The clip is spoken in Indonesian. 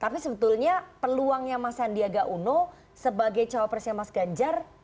tapi sebetulnya peluangnya mas sandiaga uno sebagai cowok presnya mas ganjar